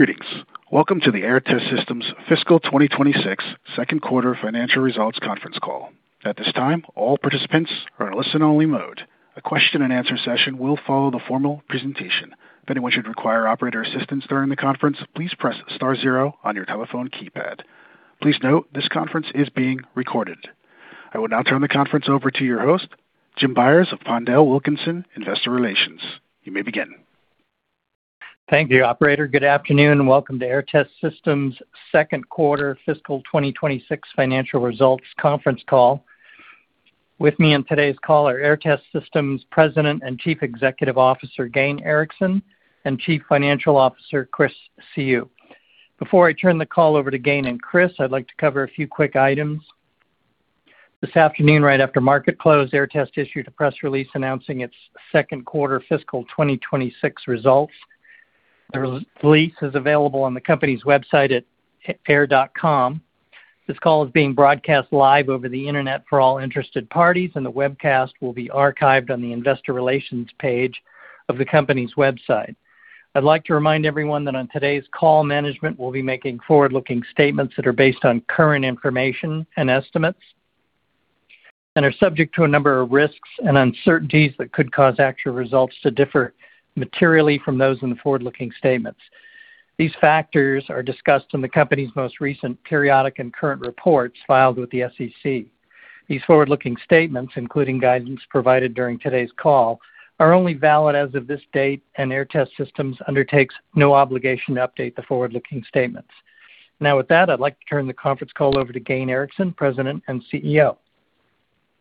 Greetings. Welcome to the Aehr Test Systems Fiscal 2026 Second Quarter Financial Results Conference Call. At this time, all participants are in listen-only mode. A question-and-answer session will follow the formal presentation. If anyone should require operator assistance during the conference, please press star zero on your telephone keypad. Please note this conference is being recorded. I will now turn the conference over to your host, Jim Byers of MKR Investor Relations. You may begin. Thank you, Operator. Good afternoon and welcome to Aehr Test Systems Second Quarter Fiscal 2026 Financial Results Conference Call. With me on today's call are Aehr Test Systems President and Chief Executive Officer Gayn Erickson and Chief Financial Officer Chris Siu. Before I turn the call over to Gayn and Chris, I'd like to cover a few quick items. This afternoon, right after market close, Aehr Test issued a press release announcing its Second Quarter Fiscal 2026 results. The release is available on the company's website at aehr.com. This call is being broadcast live over the internet for all interested parties, and the webcast will be archived on the Investor Relations page of the company's website. I'd like to remind everyone that on today's call, management will be making forward-looking statements that are based on current information and estimates and are subject to a number of risks and uncertainties that could cause actual results to differ materially from those in the forward-looking statements. These factors are discussed in the company's most recent periodic and current reports filed with the SEC. These forward-looking statements, including guidance provided during today's call, are only valid as of this date, and Aehr Test Systems undertakes no obligation to update the forward-looking statements. Now, with that, I'd like to turn the conference call over to Gayn Erickson, President and CEO.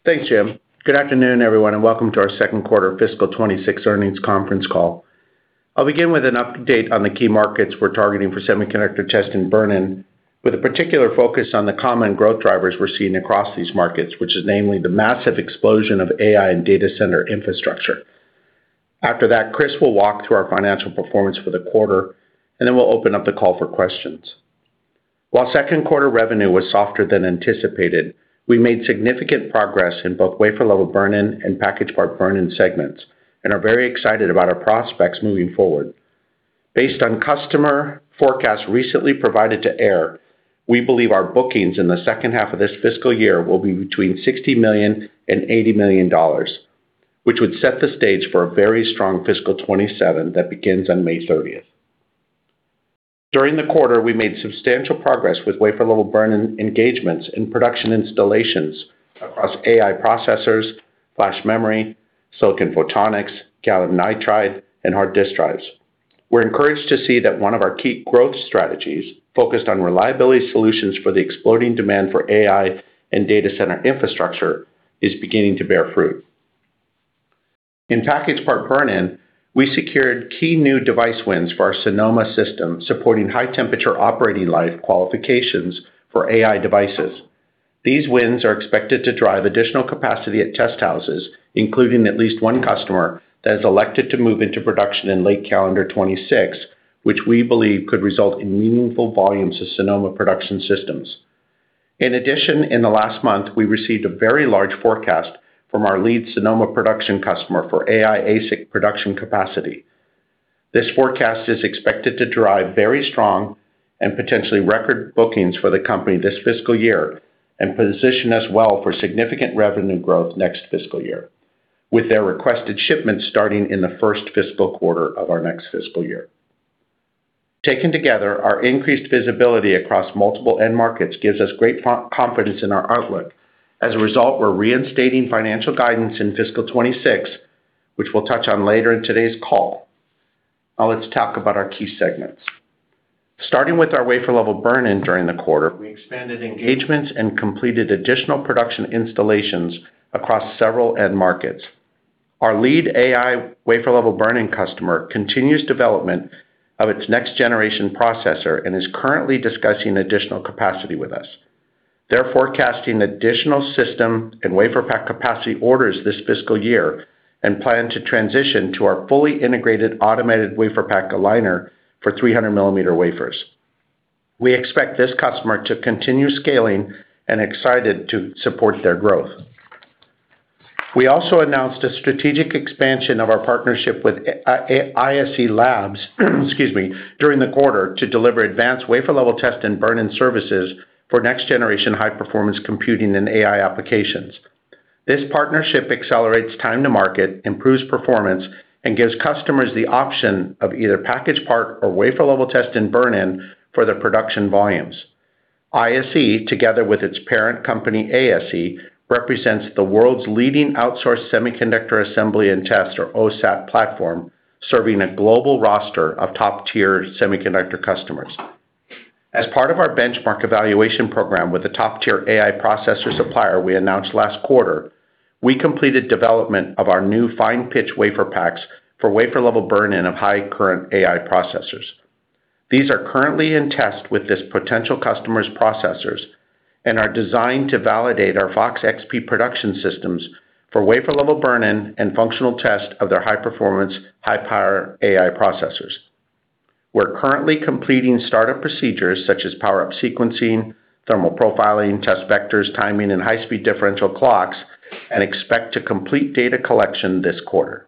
Thanks, Jim. Good afternoon, everyone, and welcome to our Second Quarter Fiscal 2026 Earnings Conference Call. I'll begin with an update on the key markets we're targeting for semiconductor test and burn-in, with a particular focus on the common growth drivers we're seeing across these markets, which is namely the massive explosion of AI and data center infrastructure. After that, Chris will walk through our financial performance for the quarter, and then we'll open up the call for questions. While second quarter revenue was softer than anticipated, we made significant progress in both wafer-level burn-in and packaged part burn-in segments and are very excited about our prospects moving forward. Based on customer forecasts recently provided to Aehr, we believe our bookings in the second half of this fiscal year will be between $60 million and $80 million, which would set the stage for a very strong fiscal 2027 that begins on May 30th. During the quarter, we made substantial progress with wafer-level burn-in engagements in production installations across AI processors, flash memory, silicon photonics, gallium nitride, and hard disk drives. We're encouraged to see that one of our key growth strategies, focused on reliability solutions for the exploding demand for AI and data center infrastructure, is beginning to bear fruit. In packaged part burn-in, we secured key new device wins for our Sonoma system supporting high-temperature operating life qualifications for AI devices. These wins are expected to drive additional capacity at test houses, including at least one customer that has elected to move into production in late calendar 2026, which we believe could result in meaningful volumes of Sonoma production systems. In addition, in the last month, we received a very large forecast from our lead Sonoma production customer for AI ASIC production capacity. This forecast is expected to drive very strong and potentially record bookings for the company this fiscal year and position us well for significant revenue growth next fiscal year, with their requested shipments starting in the first fiscal quarter of our next fiscal year. Taken together, our increased visibility across multiple end markets gives us great confidence in our outlook. As a result, we're reinstating financial guidance in fiscal 2026, which we'll touch on later in today's call. Now, let's talk about our key segments. Starting with our wafer-level burn-in during the quarter, we expanded engagements and completed additional production installations across several end markets. Our lead AI wafer-level burn-in customer continues development of its next-generation processor and is currently discussing additional capacity with us. They're forecasting additional system and WaferPak capacity orders this fiscal year and plan to transition to our fully integrated automated WaferPak aligner for 300-millimeter wafers. We expect this customer to continue scaling and excited to support their growth. We also announced a strategic expansion of our partnership with ISE Labs during the quarter to deliver advanced wafer-level test and burn-in services for next-generation high-performance computing and AI applications. This partnership accelerates time to market, improves performance, and gives customers the option of either packaged part or wafer-level test and burn-in for their production volumes. ISE, together with its parent company ASE, represents the world's leading outsourced semiconductor assembly and test, or OSAT, platform, serving a global roster of top-tier semiconductor customers. As part of our benchmark evaluation program with a top-tier AI processor supplier we announced last quarter, we completed development of our new fine-pitch WaferPaks for wafer-level burn-in of high-current AI processors. These are currently in test with this potential customer's processors and are designed to validate our FOX XP production systems for wafer-level burn-in and functional test of their high-performance, high-power AI processors. We're currently completing startup procedures such as power-up sequencing, thermal profiling, test vectors, timing, and high-speed differential clocks, and expect to complete data collection this quarter.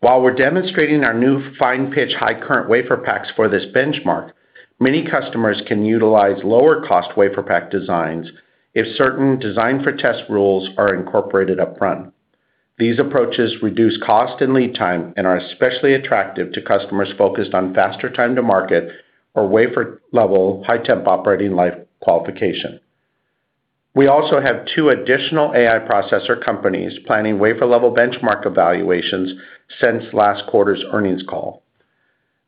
While we're demonstrating our new fine-pitch high-current WaferPaks for this benchmark, many customers can utilize lower-cost WaferPak designs if certain design-for-test rules are incorporated upfront. These approaches reduce cost and lead time and are especially attractive to customers focused on faster time to market or wafer-level high-temp operating life qualification. We also have two additional AI processor companies planning wafer-level benchmark evaluations since last quarter's earnings call.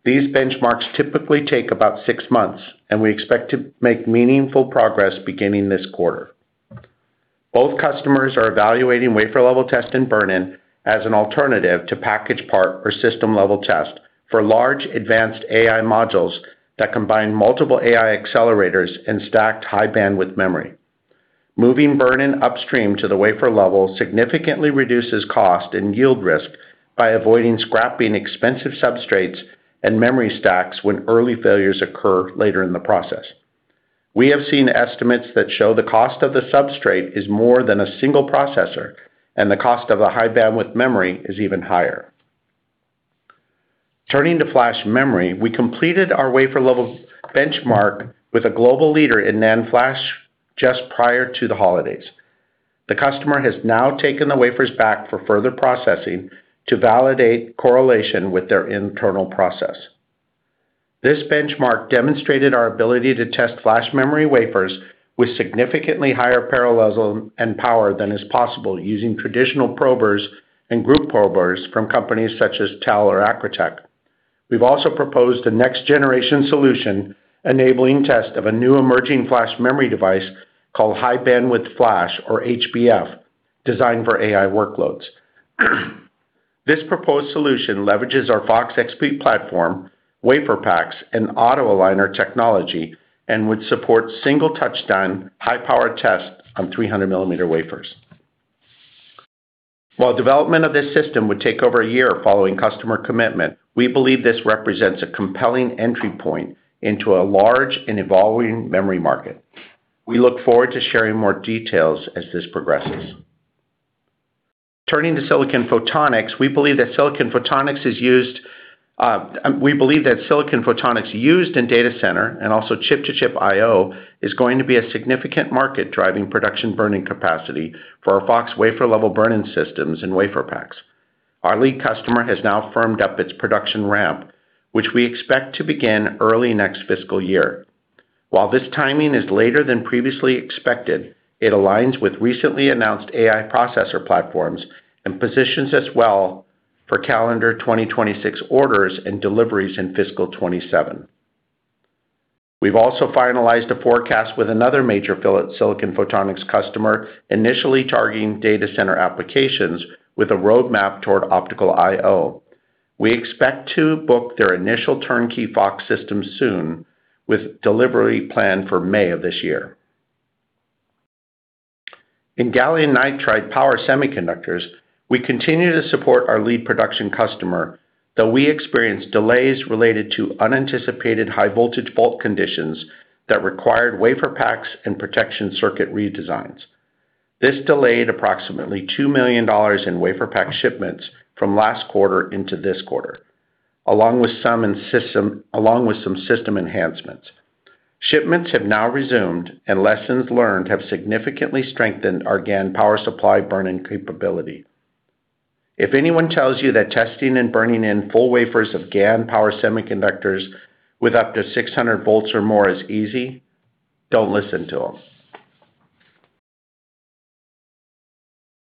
These benchmarks typically take about six months, and we expect to make meaningful progress beginning this quarter. Both customers are evaluating wafer-level test and burn-in as an alternative to packagesd part or system-level test for large advanced AI modules that combine multiple AI accelerators and stacked high-bandwidth memory. Moving burn-in upstream to the wafer level significantly reduces cost and yield risk by avoiding scrapping expensive substrates and memory stacks when early failures occur later in the process. We have seen estimates that show the cost of the substrate is more than a single processor, and the cost of the high-bandwidth memory is even higher. Turning to flash memory, we completed our wafer-level benchmark with a global leader in NAND flash just prior to the holidays. The customer has now taken the wafers back for further processing to validate correlation with their internal process. This benchmark demonstrated our ability to test flash memory wafers with significantly higher parallelism and power than is possible using traditional probers and group probers from companies such as TEL or Accretech. We've also proposed a next-generation solution enabling test of a new emerging flash memory device called High-Bandwidth Flash, or HBF, designed for AI workloads. This proposed solution leverages our FOX XP platform, WaferPaks, and auto aligner technology and would support single touchdown, high-power test on 300 millimeter wafers. While development of this system would take over a year following customer commitment, we believe this represents a compelling entry point into a large and evolving memory market. We look forward to sharing more details as this progresses. Turning to silicon photonics, we believe that silicon photonics is used in data center and also chip-to-chip I/O is going to be a significant market driving production burn-in capacity for our FOX wafer-level burn-in systems and WaferPaks. Our lead customer has now firmed up its production ramp, which we expect to begin early next fiscal year. While this timing is later than previously expected, it aligns with recently announced AI processor platforms and positions us well for calendar 2026 orders and deliveries in fiscal 2027. We've also finalized a forecast with another major silicon photonics customer initially targeting data center applications with a roadmap toward optical I/O. We expect to book their initial turnkey FOX system soon, with delivery planned for May of this year. In gallium nitride power semiconductors, we continue to support our lead production customer, though we experienced delays related to unanticipated high-voltage fault conditions that required WaferPaks and protection circuit redesigns. This delayed approximately $2 million in WaferPak shipments from last quarter into this quarter, along with some system enhancements. Shipments have now resumed, and lessons learned have significantly strengthened our GaN power supply burn-in capability. If anyone tells you that testing and burning in full wafers of GaN power semiconductors with up to 600 volts or more is easy, don't listen to them.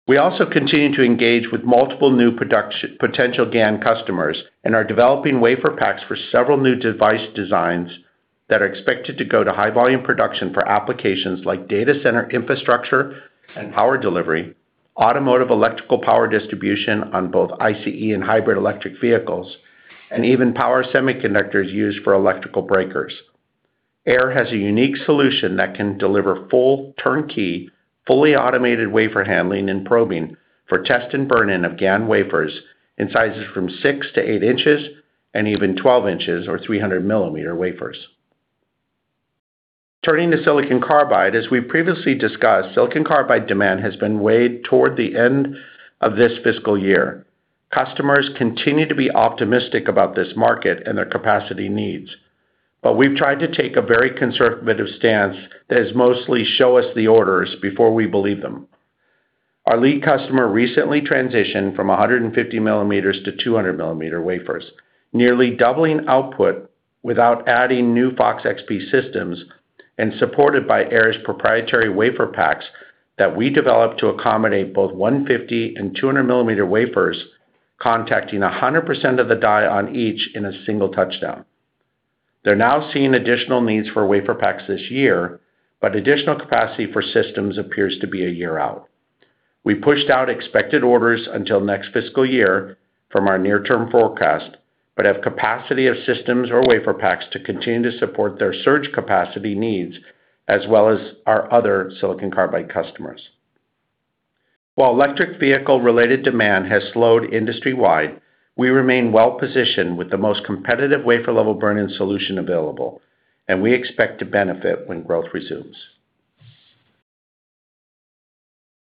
We also continue to engage with multiple new potential GaN customers and are developing WaferPaks for several new device designs that are expected to go to high-volume production for applications like data center infrastructure and power delivery, automotive electrical power distribution on both ICE and hybrid electric vehicles, and even power semiconductors used for electrical breakers. Aehr has a unique solution that can deliver full turnkey, fully automated wafer handling and probing for test and burn-in of GaN wafers in sizes from 6-8 inches and even 12 inches or 300-millimeter wafers. Turning to silicon carbide, as we've previously discussed, silicon carbide demand has been way toward the end of this fiscal year. Customers continue to be optimistic about this market and their capacity needs, but we've tried to take a very conservative stance that is mostly show us the orders before we believe them. Our lead customer recently transitioned from 150-millimeter to 200-millimeter wafers, nearly doubling output without adding new FOX XP systems and supported by Aehr's proprietary WaferPaks that we developed to accommodate both 150 and 200-millimeter wafers, contacting 100% of the die on each in a single touchdown. They're now seeing additional needs for WaferPaks this year, but additional capacity for systems appears to be a year out. We pushed out expected orders until next fiscal year from our near-term forecast, but have capacity of systems or WaferPaks to continue to support their surge capacity needs as well as our other silicon carbide customers. While electric vehicle-related demand has slowed industry-wide, we remain well-positioned with the most competitive wafer-level burn-in solution available, and we expect to benefit when growth resumes.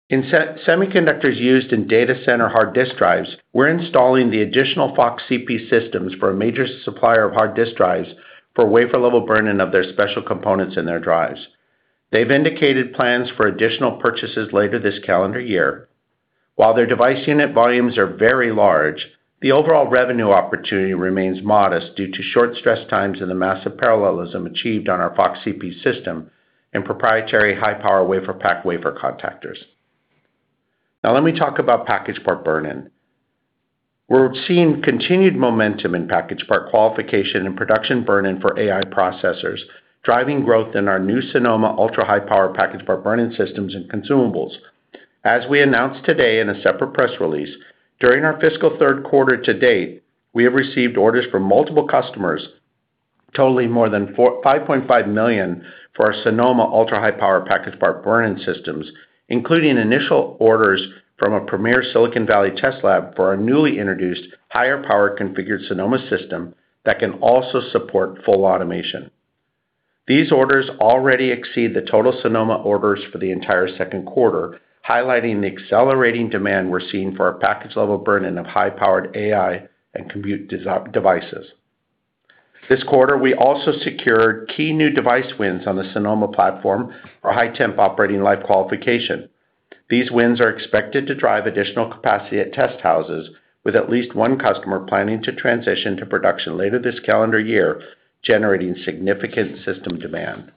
In semiconductors used in data center hard disk drives, we're installing the additional FOX XP systems for a major supplier of hard disk drives for wafer-level burn-in of their special components in their drives. They've indicated plans for additional purchases later this calendar year. While their device unit volumes are very large, the overall revenue opportunity remains modest due to short stress times and the massive parallelism achieved on our FOX XP system and proprietary high-power WaferPak wafer contactors. Now, let me talk about packaged part burn-in. We're seeing continued momentum in packaged part qualification and production burn-in for AI processors, driving growth in our new Sonoma ultra-high-power packaged part burn-in systems and consumables. As we announced today in a separate press release, during our fiscal third quarter to date, we have received orders from multiple customers, totaling more than $5.5 million for our Sonoma ultra-high-power packaged part burn-in systems, including initial orders from a premier Silicon Valley test lab for a newly introduced higher-power configured Sonoma system that can also support full automation. These orders already exceed the total Sonoma orders for the entire second quarter, highlighting the accelerating demand we're seeing for our package-level burn-in of high-powered AI and compute devices. This quarter, we also secured key new device wins on the Sonoma platform for high-temp operating life qualification. These wins are expected to drive additional capacity at test houses, with at least one customer planning to transition to production later this calendar year, generating significant system demand.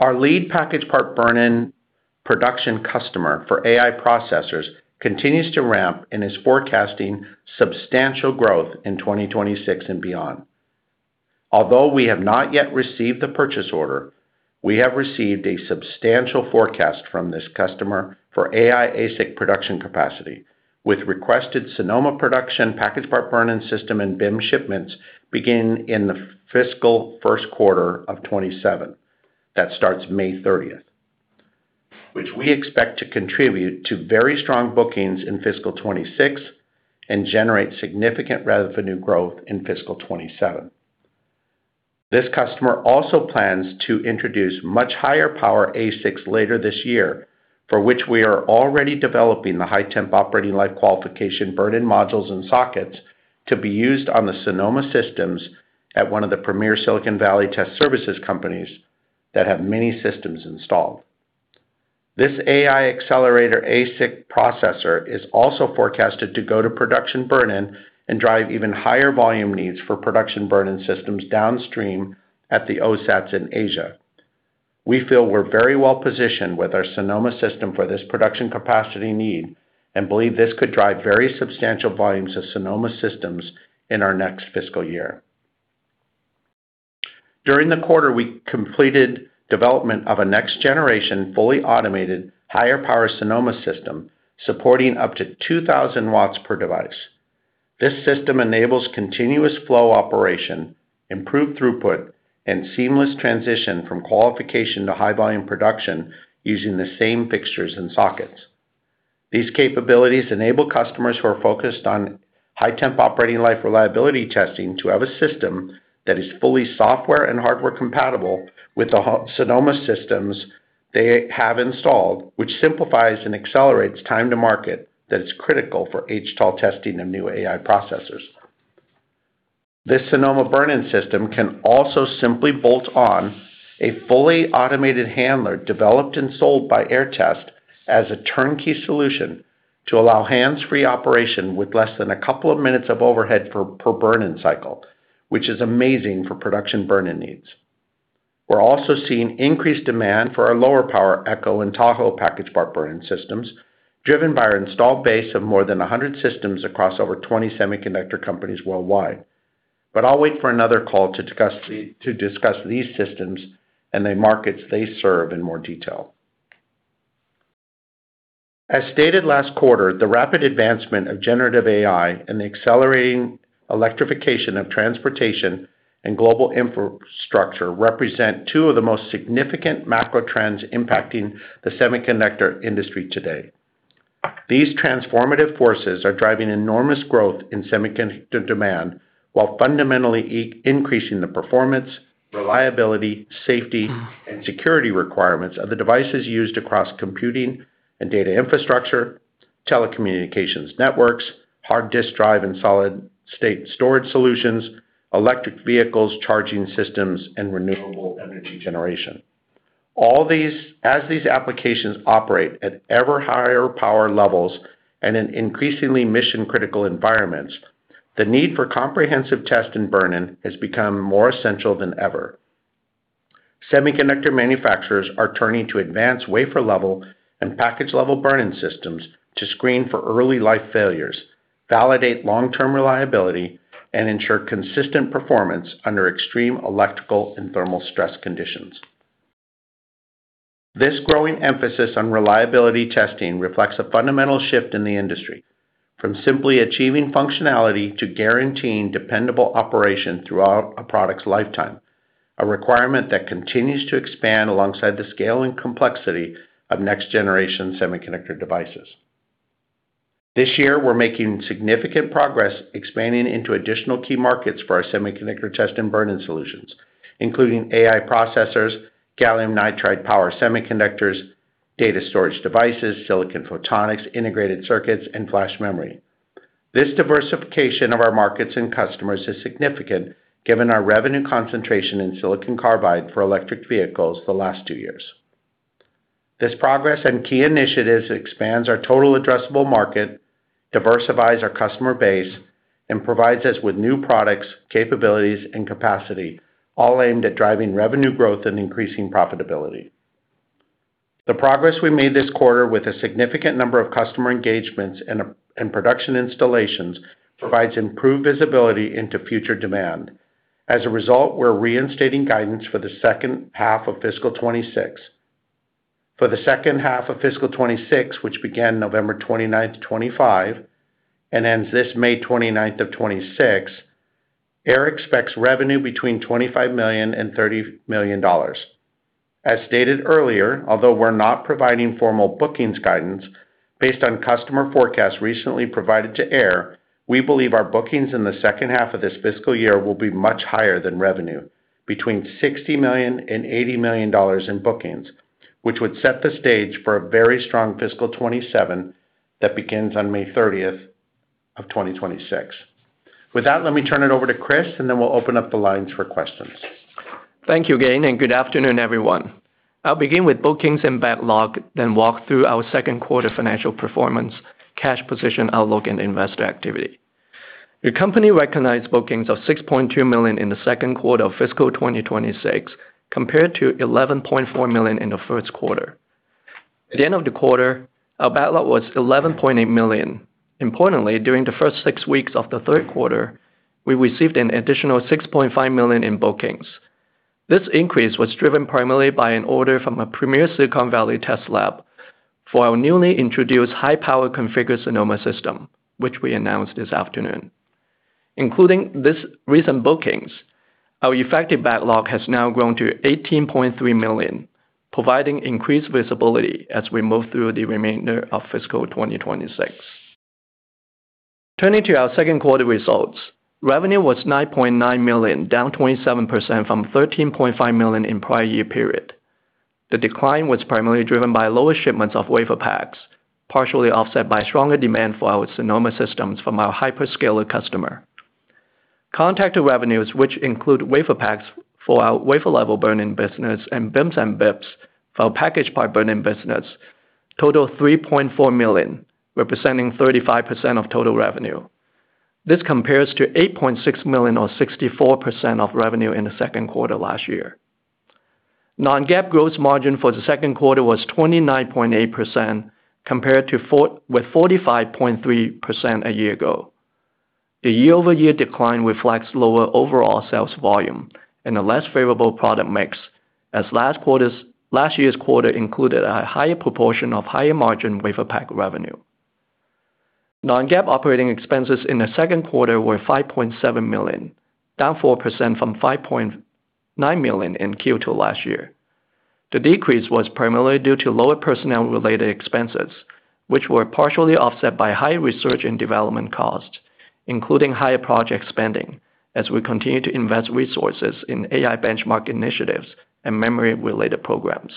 Our lead packaged part burn-in production customer for AI processors continues to ramp and is forecasting substantial growth in 2026 and beyond. Although we have not yet received the purchase order, we have received a substantial forecast from this customer for AI ASIC production capacity, with requested Sonoma production packaged part burn-in system and BIM shipments beginning in the fiscal first quarter of 2027. That starts May 30th, which we expect to contribute to very strong bookings in fiscal 2026 and generate significant revenue growth in fiscal 2027. This customer also plans to introduce much higher-power ASICs later this year, for which we are already developing the high-temp operating life qualification burn-in modules and sockets to be used on the Sonoma systems at one of the premier Silicon Valley test services companies that have many systems installed. This AI accelerator ASIC processor is also forecasted to go to production burn-in and drive even higher volume needs for production burn-in systems downstream at the OSATs in Asia. We feel we're very well-positioned with our Sonoma system for this production capacity need and believe this could drive very substantial volumes of Sonoma systems in our next fiscal year. During the quarter, we completed development of a next-generation fully automated higher-power Sonoma system supporting up to 2,000 watts per device. This system enables continuous flow operation, improved throughput, and seamless transition from qualification to high-volume production using the same fixtures and sockets. These capabilities enable customers who are focused on high-temp operating life reliability testing to have a system that is fully software and hardware compatible with the Sonoma systems they have installed, which simplifies and accelerates time to market that is critical for HTOL testing of new AI processors. This Sonoma burn-in system can also simply bolt on a fully automated handler developed and sold by Aehr Test as a turnkey solution to allow hands-free operation with less than a couple of minutes of overhead per burn-in cycle, which is amazing for production burn-in needs. We're also seeing increased demand for our lower-power Echo and Tahoe packaged part burn-in systems driven by our installed base of more than 100 systems across over 20 semiconductor companies worldwide. But I'll wait for another call to discuss these systems and the markets they serve in more detail. As stated last quarter, the rapid advancement of generative AI and the accelerating electrification of transportation and global infrastructure represent two of the most significant macro trends impacting the semiconductor industry today. These transformative forces are driving enormous growth in semiconductor demand while fundamentally increasing the performance, reliability, safety, and security requirements of the devices used across computing and data infrastructure, telecommunications networks, hard disk drive and solid-state storage solutions, electric vehicles, charging systems, and renewable energy generation. As these applications operate at ever higher power levels and in increasingly mission-critical environments, the need for comprehensive test and burn-in has become more essential than ever. Semiconductor manufacturers are turning to advanced wafer-level and package-level burn-in systems to screen for early life failures, validate long-term reliability, and ensure consistent performance under extreme electrical and thermal stress conditions. This growing emphasis on reliability testing reflects a fundamental shift in the industry from simply achieving functionality to guaranteeing dependable operation throughout a product's lifetime, a requirement that continues to expand alongside the scale and complexity of next-generation semiconductor devices. This year, we're making significant progress expanding into additional key markets for our semiconductor test and burn-in solutions, including AI processors, gallium nitride power semiconductors, data storage devices, silicon photonics, integrated circuits, and flash memory. This diversification of our markets and customers is significant given our revenue concentration in silicon carbide for electric vehicles the last two years. This progress and key initiatives expands our total addressable market, diversifies our customer base, and provides us with new products, capabilities, and capacity, all aimed at driving revenue growth and increasing profitability. The progress we made this quarter with a significant number of customer engagements and production installations provides improved visibility into future demand. As a result, we're reinstating guidance for the second half of fiscal 2026. For the second half of fiscal 2026, which began November 29th, 2025, and ends this May 29th of 2026, Aehr expects revenue between $25 million and $30 million. As stated earlier, although we're not providing formal bookings guidance, based on customer forecasts recently provided to Aehr, we believe our bookings in the second half of this fiscal year will be much higher than revenue, between $60 million and $80 million in bookings, which would set the stage for a very strong fiscal 2027 that begins on May 30th of 2026. With that, let me turn it over to Chris, and then we'll open up the lines for questions. Thank you again, and good afternoon, everyone. I'll begin with bookings and backlog, then walk through our second quarter financial performance, cash position outlook, and investor activity. Your company recognized bookings of $6.2 million in the second quarter of fiscal 2026, compared to $11.4 million in the first quarter. At the end of the quarter, our backlog was $11.8 million. Importantly, during the first six weeks of the third quarter, we received an additional $6.5 million in bookings. This increase was driven primarily by an order from a premier Silicon Valley test lab for our newly introduced high-power configured Sonoma system, which we announced this afternoon. Including these recent bookings, our effective backlog has now grown to $18.3 million, providing increased visibility as we move through the remainder of fiscal 2026. Turning to our second quarter results, revenue was $9.9 million, down 27% from $13.5 million in the prior year period. The decline was primarily driven by lower shipments of WaferPaks, partially offset by stronger demand for our Sonoma systems from our hyperscaler customer. Contact revenues, which include WaferPaks for our wafer-level burn-in business and BIMs and BIBs for our packaged part burn-in business, total $3.4 million, representing 35% of total revenue. This compares to $8.6 million or 64% of revenue in the second quarter last year. Non-GAAP gross margin for the second quarter was 29.8%, compared to 45.3% a year ago. The year-over-year decline reflects lower overall sales volume and a less favorable product mix, as last year's quarter included a higher proportion of higher margin WaferPak revenue. Non-GAAP operating expenses in the second quarter were $5.7 million, down 4% from $5.9 million in Q2 last year. The decrease was primarily due to lower personnel-related expenses, which were partially offset by high research and development costs, including higher project spending, as we continue to invest resources in AI benchmark initiatives and memory-related programs.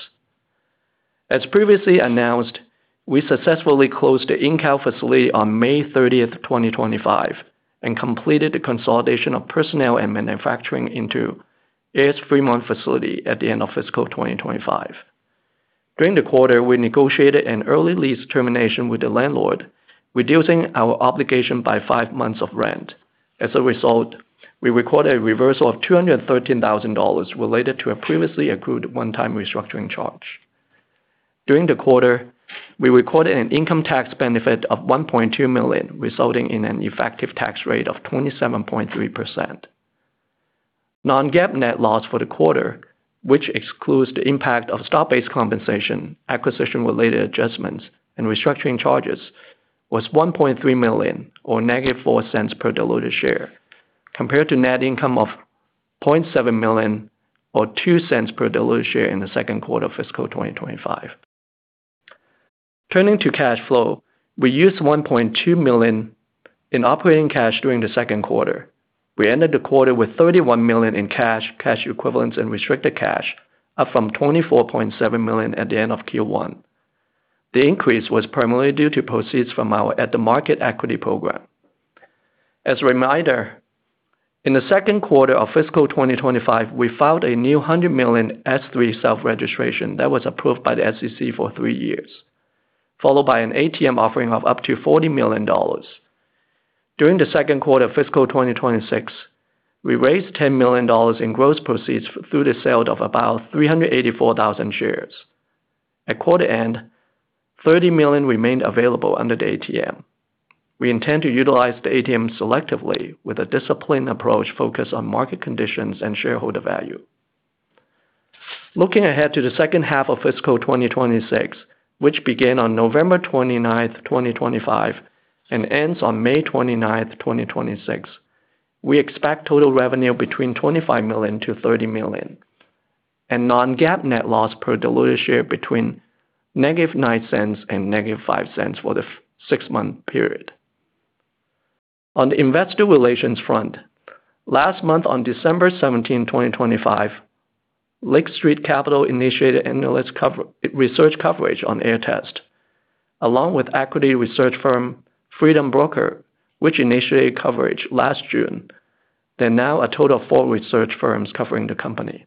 As previously announced, we successfully closed the InCal facility on May 30th, 2025, and completed the consolidation of personnel and manufacturing into Aehr's Fremont facility at the end of fiscal 2025. During the quarter, we negotiated an early lease termination with the landlord, reducing our obligation by five months of rent. As a result, we recorded a reversal of $213,000 related to a previously accrued one-time restructuring charge. During the quarter, we recorded an income tax benefit of $1.2 million, resulting in an effective tax rate of 27.3%. Non-GAAP net loss for the quarter, which excludes the impact of stock-based compensation, acquisition-related adjustments, and restructuring charges, was $1.3 million, or negative $0.04 per diluted share, compared to net income of $0.7 million, or $0.02 per diluted share in the second quarter of fiscal 2025. Turning to cash flow, we used $1.2 million in operating cash during the second quarter. We ended the quarter with $31 million in cash, cash equivalents, and restricted cash, up from $24.7 million at the end of Q1. The increase was primarily due to proceeds from our at-the-market equity program. As a reminder, in the second quarter of fiscal 2025, we filed a new $100 million S3 self-registration that was approved by the SEC for three years, followed by an ATM offering of up to $40 million. During the second quarter of fiscal 2026, we raised $10 million in gross proceeds through the sale of about 384,000 shares. At quarter end, $30 million remained available under the ATM. We intend to utilize the ATM selectively with a disciplined approach focused on market conditions and shareholder value. Looking ahead to the second half of fiscal 2026, which began on November 29th, 2025, and ends on May 29th, 2026, we expect total revenue between $25-$30 million, and non-GAAP net loss per diluted share between -$0.09 and -$0.05 for the six-month period. On the investor relations front, last month, on December 17th, 2025, Lake Street Capital initiated analyst research coverage on Aehr Test, along with equity research firm Freedom Broker, which initiated coverage last June, and now a total of four research firms covering the company.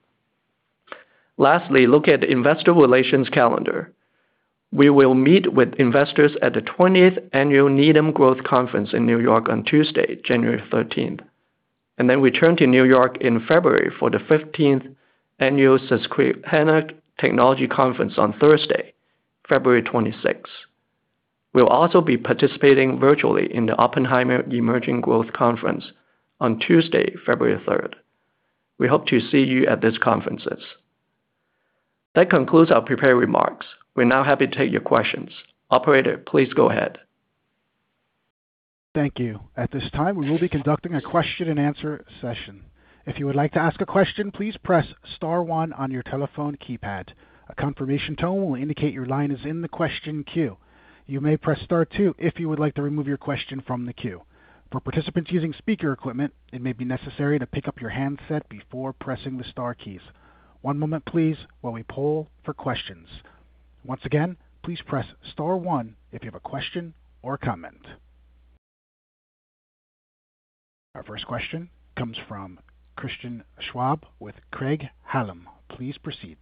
Lastly, look at the investor relations calendar. We will meet with investors at the 20th Annual Needham Growth Conference in New York on Tuesday, January 13th, and then return to New York in February for the 15th Annual Susquehanna Technology Conference on Thursday, February 26th. We'll also be participating virtually in the Oppenheimer Emerging Growth Conference on Tuesday, February 3rd. We hope to see you at these conferences. That concludes our prepared remarks. We're now happy to take your questions. Operator, please go ahead. Thank you. At this time, we will be conducting a question-and-answer session. If you would like to ask a question, please press Star 1 on your telephone keypad. A confirmation tone will indicate your line is in the question queue. You may press Star 2 if you would like to remove your question from the queue. For participants using speaker equipment, it may be necessary to pick up your handset before pressing the Star keys. One moment, please, while we poll for questions. Once again, please press Star 1 if you have a question or a comment. Our first question comes from Christian Schwab with Craig-Hallum. Please proceed.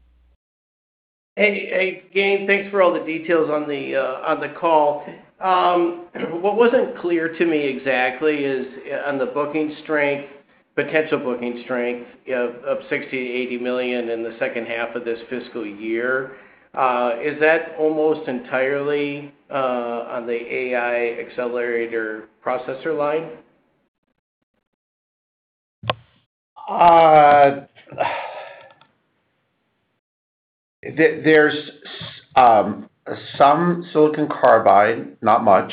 Hey, again, thanks for all the details on the call. What wasn't clear to me exactly is on the booking strength, potential booking strength of $60-$80 million in the second half of this fiscal year. Is that almost entirely on the AI accelerator processor line? There's some silicon carbide, not much,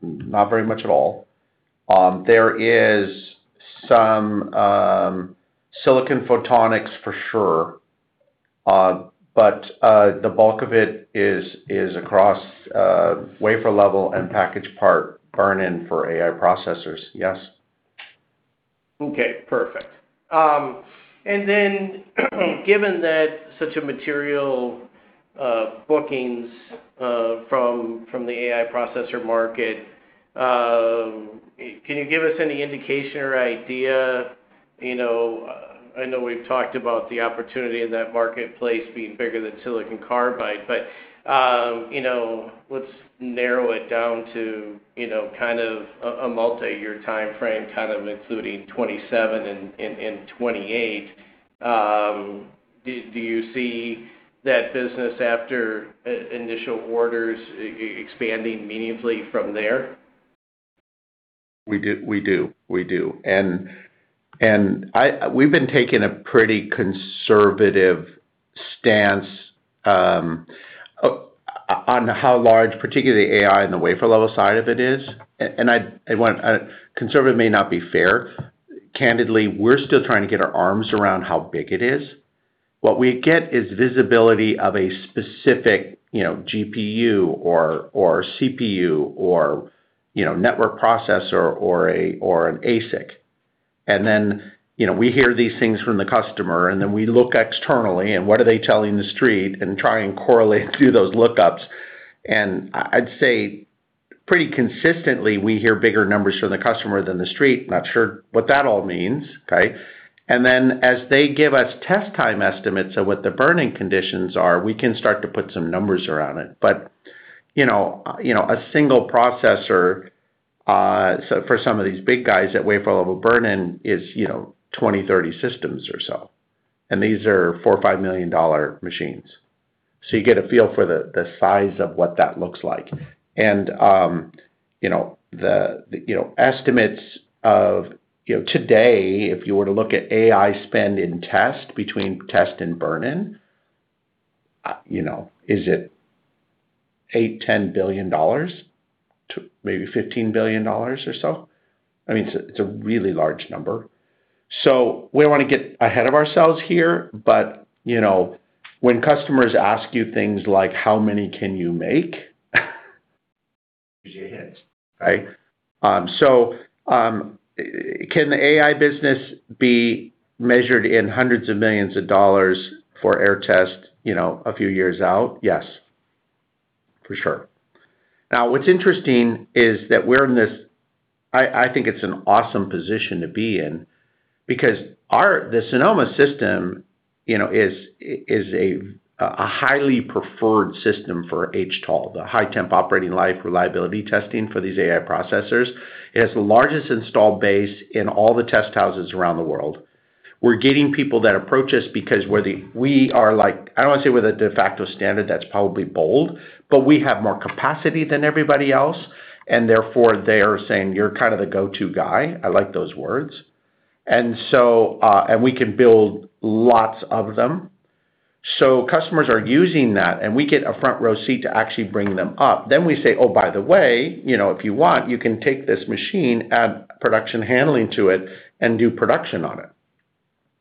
not very much at all. There is some silicon photonics for sure, but the bulk of it is across wafer level and package part burn-in for AI processors, yes. Okay. Perfect. And then given that such a material bookings from the AI processor market, can you give us any indication or idea? I know we've talked about the opportunity in that marketplace being bigger than silicon carbide, but let's narrow it down to kind of a multi-year time frame, kind of including 2027 and 2028. Do you see that business after initial orders expanding meaningfully from there? We do. We do. And we've been taking a pretty conservative stance on how large, particularly AI on the wafer level side of it is. And conservative may not be fair. Candidly, we're still trying to get our arms around how big it is. What we get is visibility of a specific GPU or CPU or network processor or an ASIC. And then we hear these things from the customer, and then we look externally, and what are they telling the street and try and correlate through those lookups. And I'd say pretty consistently, we hear bigger numbers from the customer than the street. I'm not sure what that all means, okay? And then as they give us test time estimates of what the burn-in conditions are, we can start to put some numbers around it. But a single processor for some of these big guys at wafer level burn-in is 20-30 systems or so. And these are $4-$5 million machines. So you get a feel for the size of what that looks like. And the estimates of today, if you were to look at AI spend in test between test and burn-in, is it $8-$10 billion, maybe $15 billion or so? I mean, it's a really large number. So we don't want to get ahead of ourselves here, but when customers ask you things like, "How many can you make?" Use your hands, okay? So can the AI business be measured in hundreds of millions of dollars for Aehr Test a few years out? Yes, for sure. Now, what's interesting is that we're in this, I think it's an awesome position to be in because the Sonoma system is a highly preferred system for HTOL, the high-temperature operating life reliability testing for these AI processors. It has the largest installed base in all the test houses around the world. We're getting people that approach us because we are like, I don't want to say we're the de facto standard. That's probably bold, but we have more capacity than everybody else. And therefore, they are saying, "You're kind of the go-to guy." I like those words. And we can build lots of them. So customers are using that, and we get a front row seat to actually bring them up. Then we say, "Oh, by the way, if you want, you can take this machine, add production handling to it, and do production on it."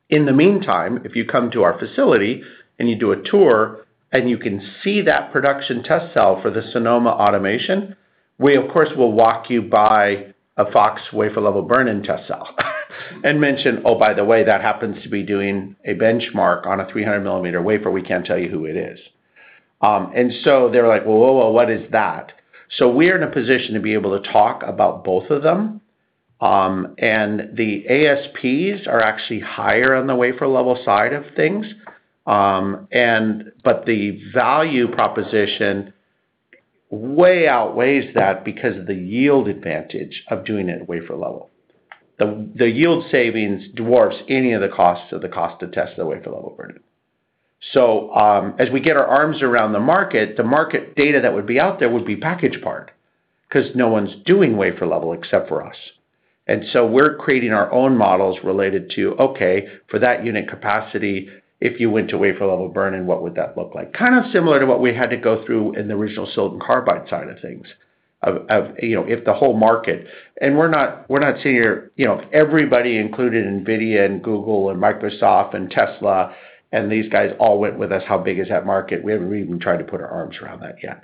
In the meantime, if you come to our facility and you do a tour and you can see that production test cell for the Sonoma automation, we, of course, will walk you by a FOX wafer level burn-in test cell and mention, "Oh, by the way, that happens to be doing a benchmark on a 300-millimeter wafer. We can't tell you who it is." And so they're like, "Whoa, whoa, whoa. What is that?" So we're in a position to be able to talk about both of them. And the ASPs are actually higher on the wafer level side of things, but the value proposition way outweighs that because of the yield advantage of doing it wafer level. The yield savings dwarfs any of the costs of the cost to test the wafer level burn-in. So as we get our arms around the market, the market data that would be out there would be package part because no one's doing wafer level except for us. And so we're creating our own models related to, "Okay, for that unit capacity, if you went to wafer level burn-in, what would that look like?" Kind of similar to what we had to go through in the original silicon carbide side of things of if the whole market, and we're not sitting here, everybody included NVIDIA and Google and Microsoft and Tesla and these guys all went with us. How big is that market? We haven't even tried to put our arms around that yet,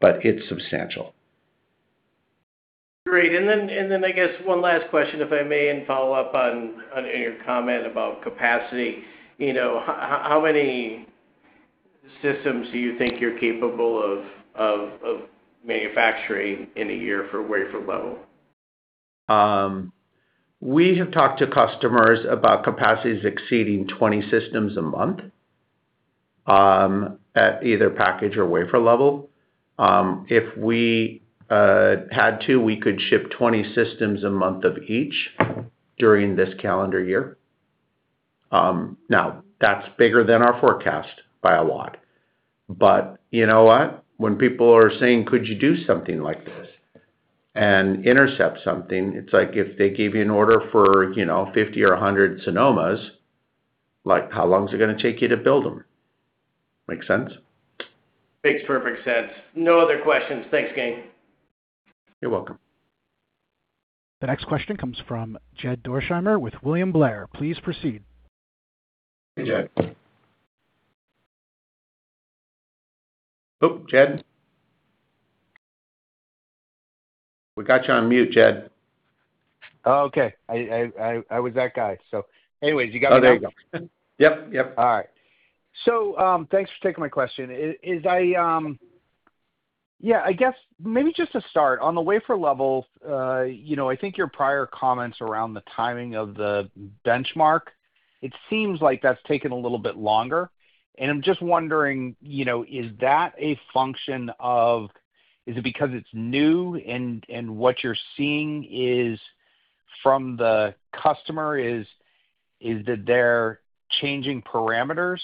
but it's substantial. Great. And then I guess one last question, if I may, and follow up on your comment about capacity. How many systems do you think you're capable of manufacturing in a year for wafer level? We have talked to customers about capacities exceeding 20 systems a month at either package or wafer level. If we had to, we could ship 20 systems a month of each during this calendar year. Now, that's bigger than our forecast by a lot. But you know what? When people are saying, "Could you do something like this and intercept something?" It's like if they gave you an order for 50 or 100 Sonomas, how long is it going to take you to build them? Makes sense? Makes perfect sense. No other questions. Thanks, Gayn. You're welcome. The next question comes from Jed Dorsheimer with William Blair. Please proceed. Hey, Jed. Oh, Jed? We got you on mute, Jed. Oh, okay. I was that guy. So anyways, you got me on mute. Oh, there you go. Yep, yep. All right. So thanks for taking my question. Yeah, I guess maybe just to start, on the wafer level, I think your prior comments around the timing of the benchmark. It seems like that's taken a little bit longer. And I'm just wondering, is that a function of, is it because it's new and what you're seeing from the customer? Is that they're changing parameters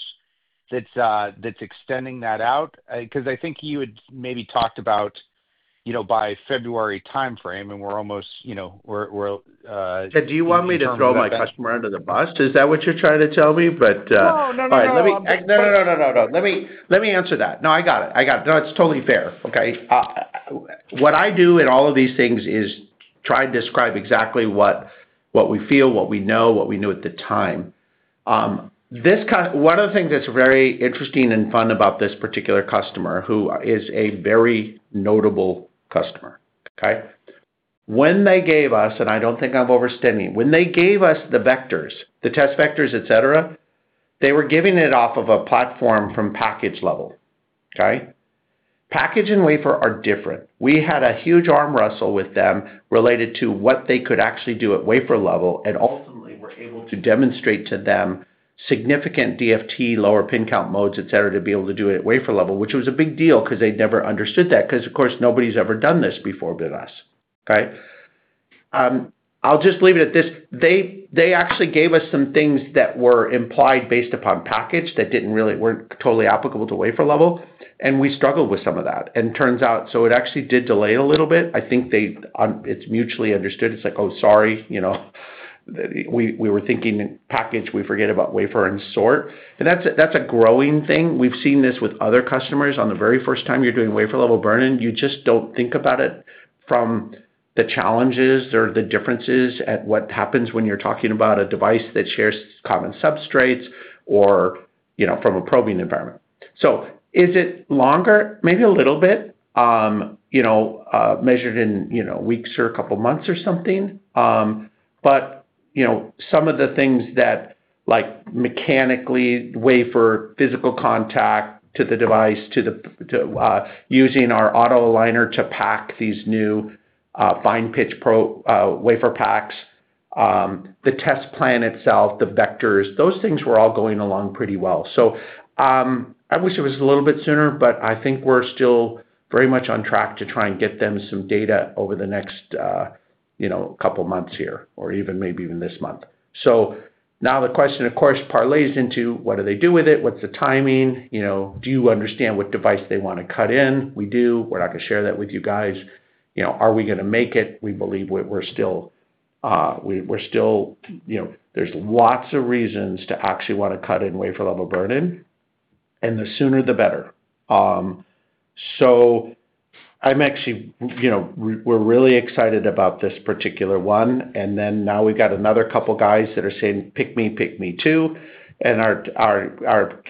that's extending that out? Because I think you had maybe talked about by February time frame, and we're almost. Jed, do you want me to throw my customer under the bus? Is that what you're trying to tell me? But. No, no, no, no. All right. No, no, no, no, no, no. Let me answer that. No, I got it. I got it. No, it's totally fair. Okay. What I do in all of these things is try and describe exactly what we feel, what we know, what we knew at the time. One of the things that's very interesting and fun about this particular customer who is a very notable customer, okay? When they gave us - and I don't think I'm overstating it - when they gave us the vectors, the test vectors, etc., they were giving it off of a platform from package level, okay? Package and wafer are different. We had a huge arm wrestle with them related to what they could actually do at wafer level, and ultimately, we're able to demonstrate to them significant DFT, lower pin count modes, etc., to be able to do it at wafer level, which was a big deal because they'd never understood that because, of course, nobody's ever done this before with us, okay? I'll just leave it at this. They actually gave us some things that were implied based upon package that weren't totally applicable to wafer level, and we struggled with some of that, and it turns out, so it actually did delay a little bit. I think it's mutually understood. It's like, "Oh, sorry. We were thinking package. We forget about wafer and sort," and that's a growing thing. We've seen this with other customers. On the very first time you're doing wafer level burn-in, you just don't think about it from the challenges or the differences at what happens when you're talking about a device that shares common substrates or from a probing environment. So is it longer? Maybe a little bit, measured in weeks or a couple of months or something. But some of the things that mechanically wafer physical contact to the device, to using our auto aligner to pack these new fine-pitch WaferPaks, the test plan itself, the vectors, those things were all going along pretty well. So I wish it was a little bit sooner, but I think we're still very much on track to try and get them some data over the next couple of months here or maybe even this month. So now the question, of course, parlays into, "What do they do with it? What's the timing? Do you understand what device they want to cut in?" We do. We're not going to share that with you guys. Are we going to make it? We believe we're still. There's lots of reasons to actually want to cut in wafer-level burn-in, and the sooner, the better. So I'm actually, we're really excited about this particular one. And then now we've got another couple of guys that are saying, "Pick me, pick me too," and are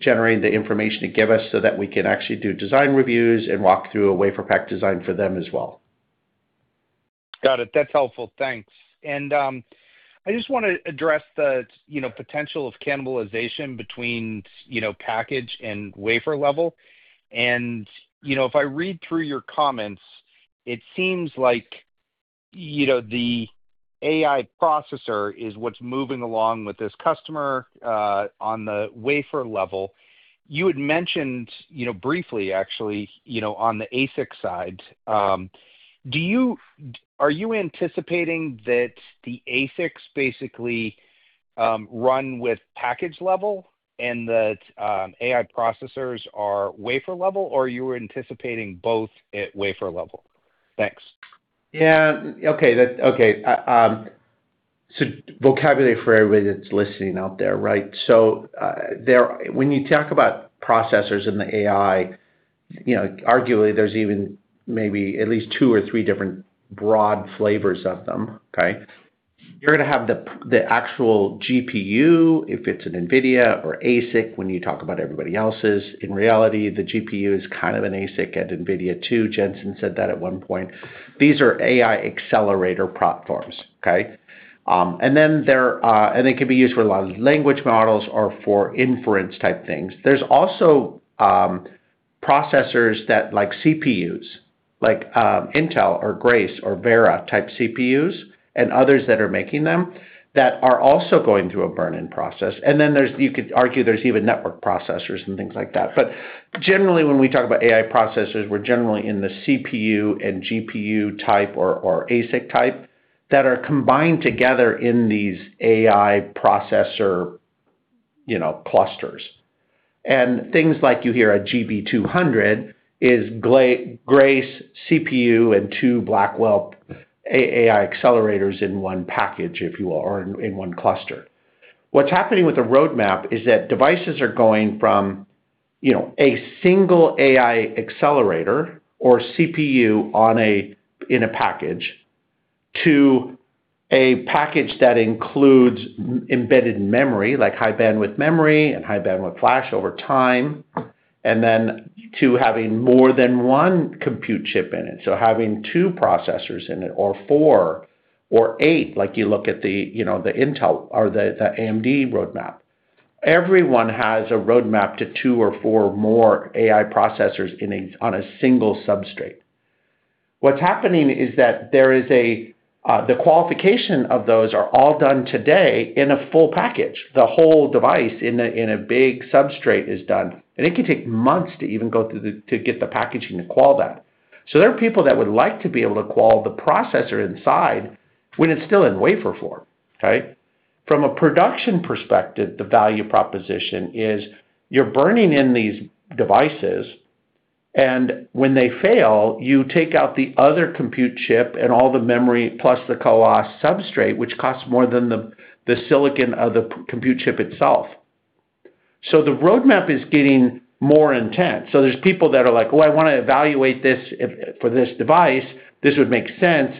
generating the information to give us so that we can actually do design reviews and walk through a WaferPak design for them as well. Got it. That's helpful. Thanks. And I just want to address the potential of cannibalization between package and wafer level. And if I read through your comments, it seems like the AI processor is what's moving along with this customer on the wafer level. You had mentioned briefly, actually, on the ASIC side. Are you anticipating that the ASICs basically run with package level and that AI processors are wafer level, or are you anticipating both at wafer level? Thanks. Yeah. Okay. Okay. So vocabulary for everybody that's listening out there, right? So when you talk about processors and the AI, arguably, there's even maybe at least two or three different broad flavors of them, okay? You're going to have the actual GPU if it's an NVIDIA or ASIC when you talk about everybody else's. In reality, the GPU is kind of an ASIC at NVIDIA too. Jensen said that at one point. These are AI accelerator platforms, okay? And they can be used for a lot of language models or for inference type things. There's also processors like CPUs, like Intel or Grace or Vera type CPUs and others that are making them that are also going through a burn-in process. And then you could argue there's even network processors and things like that. But generally, when we talk about AI processors, we're generally in the CPU and GPU type or ASIC type that are combined together in these AI processor clusters. And things like you hear at GB200 is Grace CPU and two Blackwell AI accelerators in one package, if you will, or in one cluster. What's happening with the roadmap is that devices are going from a single AI accelerator or CPU in a package to a package that includes embedded memory like high bandwidth memory and high bandwidth flash over time, and then to having more than one compute chip in it. So having two processors in it or four or eight, like you look at the Intel or the AMD roadmap. Everyone has a roadmap to two or four more AI processors on a single substrate. What's happening is that there is the qualification of those are all done today in a full package. The whole device in a big substrate is done. And it can take months to even go through to get the packaging to qual that. So there are people that would like to be able to qual the processor inside when it's still in wafer form, okay? From a production perspective, the value proposition is you're burning in these devices, and when they fail, you take out the other compute chip and all the memory plus the co-packaged substrate, which costs more than the silicon of the compute chip itself. So the roadmap is getting more intense. So there's people that are like, "Oh, I want to evaluate this for this device. This would make sense."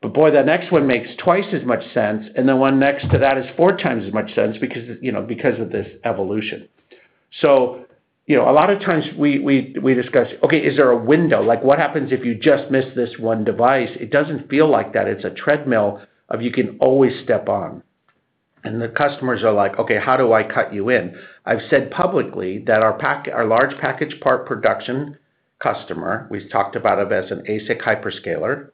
But boy, the next one makes twice as much sense, and the one next to that is four times as much sense because of this evolution. So a lot of times we discuss, "Okay, is there a window? What happens if you just miss this one device?" It doesn't feel like that. It's a treadmill of you can always step on. And the customers are like, "Okay, how do I cut you in?" I've said publicly that our large package part production customer, we've talked about it as an ASIC hyperscaler,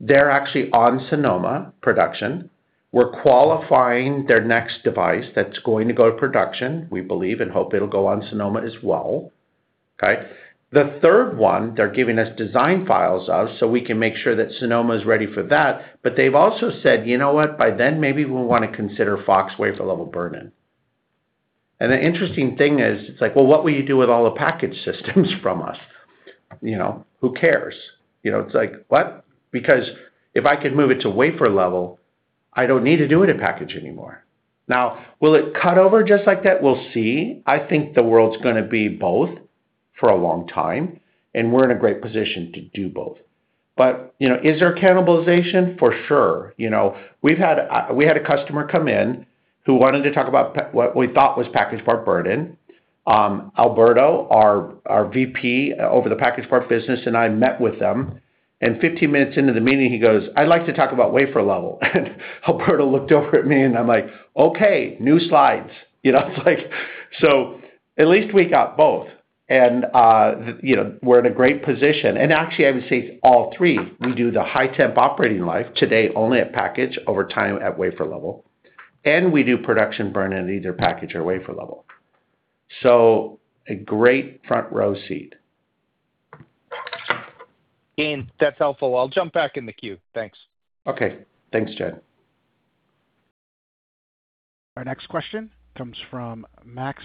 they're actually on Sonoma production. We're qualifying their next device that's going to go to production. We believe and hope it'll go on Sonoma as well, okay? The third one, they're giving us design files of so we can make sure that Sonoma is ready for that. But they've also said, "You know what? By then, maybe we want to consider FOX wafer-level burn-in." And the interesting thing is it's like, "Well, what will you do with all the package systems from us? Who cares?" It's like, "What?" Because if I could move it to wafer level, I don't need to do it in package anymore. Now, will it cut over just like that? We'll see. I think the world's going to be both for a long time, and we're in a great position to do both. But is there cannibalization? For sure. We had a customer come in who wanted to talk about what we thought was packaged part burn-in. Alberto, our VP over the packaged part business, and I met with them. Fifteen minutes into the meeting, he goes, "I'd like to talk about wafer level." Alberto looked over at me, and I'm like, "Okay, new slides." It's like, "So at least we got both, and we're in a great position." Actually, I would say all three. We do the high temp operating life today only at package over time at wafer level, and we do production burn-in either package or wafer level. So a great front row seat. Gayn, that's helpful. I'll jump back in the queue. Thanks. Okay. Thanks, Jed. Our next question comes from Max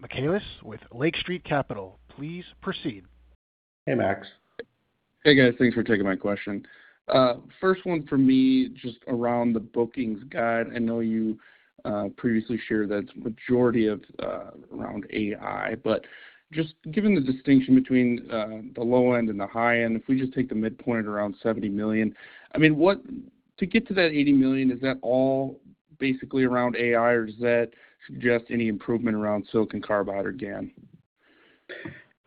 Michaelis with Lake Street Capital. Please proceed. Hey, Max. Hey, guys. Thanks for taking my question. First one for me just around the bookings guide. I know you previously shared that majority of around AI, but just given the distinction between the low end and the high end, if we just take the midpoint around $70 million, I mean, to get to that $80 million, is that all basically around AI, or does that suggest any improvement around silicon carbide or GaN?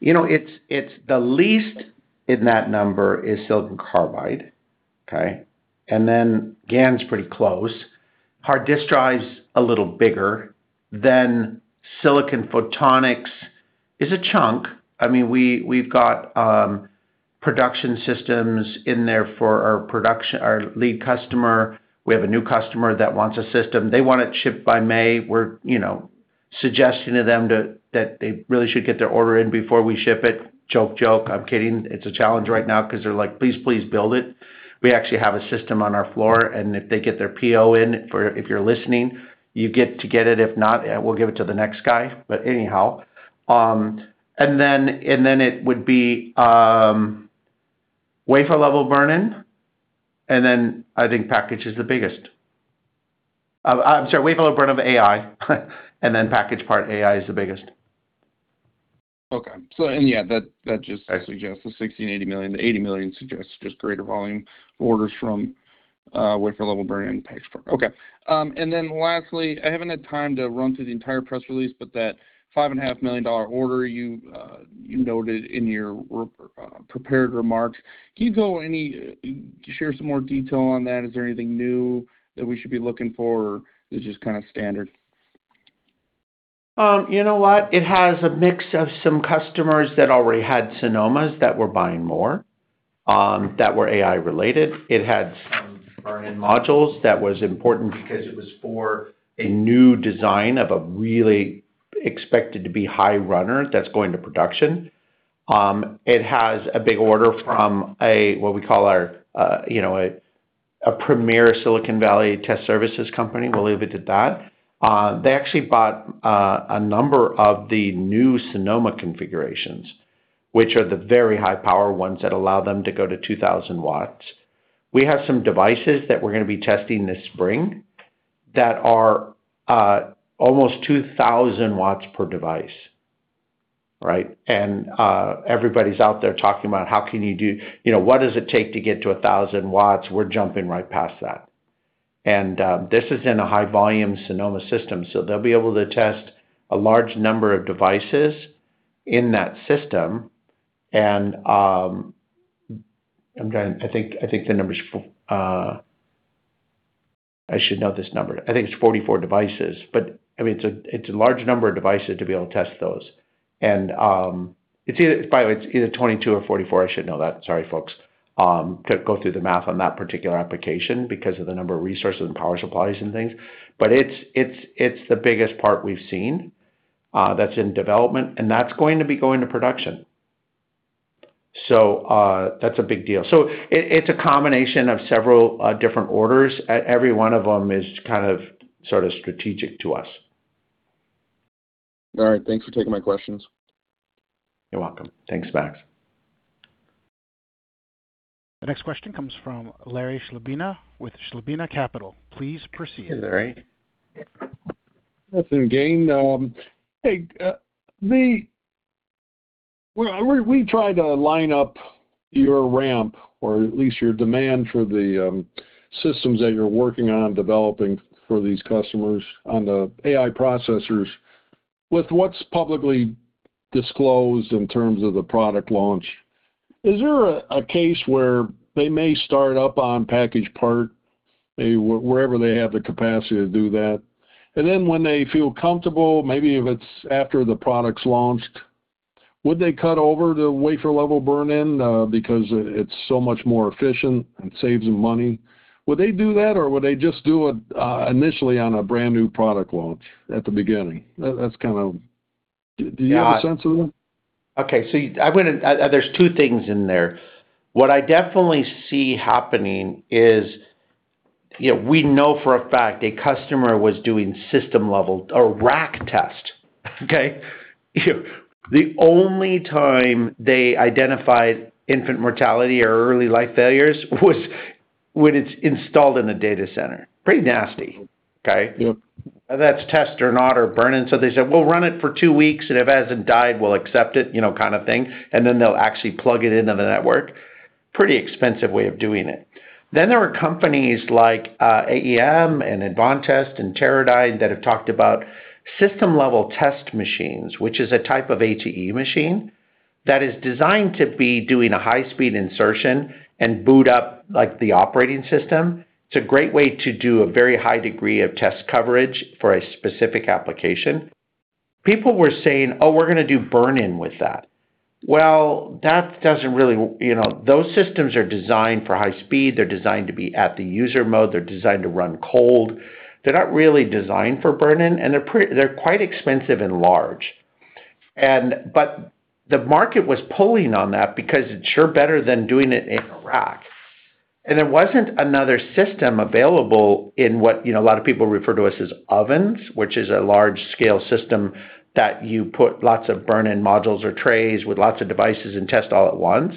It's the least in that number is silicon carbide, okay? And then GaN's pretty close. Hard disk drive's a little bigger. Then silicon photonics is a chunk. I mean, we've got production systems in there for our lead customer. We have a new customer that wants a system. They want it shipped by May. We're suggesting to them that they really should get their order in before we ship it. Joke, joke. I'm kidding. It's a challenge right now because they're like, "Please, please build it." We actually have a system on our floor, and if they get their PO in, if you're listening, you get to get it. If not, we'll give it to the next guy. But anyhow. And then it would be wafer level burn-in, and then I think package is the biggest. I'm sorry, wafer level burn-in, AI, and then package part AI is the biggest. Okay. And yeah, that just suggests the $60-$80 million. The $80 million suggests just greater volume orders from wafer level burn-in, package part. Okay. And then lastly, I haven't had time to run through the entire press release, but that $5.5 million order you noted in your prepared remarks, can you share some more detail on that? Is there anything new that we should be looking for, or is it just kind of standard? You know what? It has a mix of some customers that already had Sonomas that were buying more that were AI related. It had some burn-in modules that was important because it was for a new design of a really expected to be high runner that's going to production. It has a big order from what we call a premier Silicon Valley test services company. We'll leave it at that. They actually bought a number of the new Sonoma configurations, which are the very high power ones that allow them to go to 2,000 watts. We have some devices that we're going to be testing this spring that are almost 2,000 watts per device, right? Everybody's out there talking about how can you do what does it take to get to 1,000 watts? We're jumping right past that. And this is in a high volume Sonoma system, so they'll be able to test a large number of devices in that system. And I think the numbers I should know this number. I think it's 44 devices, but I mean, it's a large number of devices to be able to test those. And by the way, it's either 22 or 44. I should know that. Sorry, folks, to go through the math on that particular application because of the number of resources and power supplies and things. But it's the biggest part we've seen that's in development, and that's going to be going to production. So that's a big deal. So it's a combination of several different orders. Every one of them is kind of sort of strategic to us. All right. Thanks for taking my questions. You're welcome. Thanks, Max. The next question comes from Larry Chlebina with Chlebina Capital. Please proceed. Hey, Larry. Yes, and Gayn. Hey. We tried to line up your ramp or at least your demand for the systems that you're working on developing for these customers on the AI processors with what's publicly disclosed in terms of the product launch. Is there a case where they may start up on packaged part, wherever they have the capacity to do that? And then when they feel comfortable, maybe if it's after the product's launched, would they cut over to wafer level burn-in because it's so much more efficient and saves them money? Would they do that, or would they just do it initially on a brand new product launch at the beginning? That's kind of do you have a sense of that? Okay. So there's two things in there. What I definitely see happening is we know for a fact a customer was doing system level or rack test, okay? The only time they identified infant mortality or early life failures was when it's installed in the data center. Pretty nasty, okay? That's test or not or burn-in. So they said, "We'll run it for two weeks. If it hasn't died, we'll accept it," kind of thing. And then they'll actually plug it into the network. Pretty expensive way of doing it. Then there are companies like AEM and Advantest and Teradyne that have talked about system level test machines, which is a type of ATE machine that is designed to be doing a high-speed insertion and boot up the operating system. It's a great way to do a very high degree of test coverage for a specific application. People were saying, "Oh, we're going to do burn-in with that." Well, that doesn't really. Those systems are designed for high speed. They're designed to be at the user mode. They're designed to run cold. They're not really designed for burn-in, and they're quite expensive and large, but the market was pulling on that because it's sure better than doing it in a rack. And there wasn't another system available in what a lot of people refer to as ovens, which is a large-scale system that you put lots of burn-in modules or trays with lots of devices and test all at once.